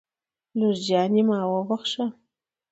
لور جانې ما وبښه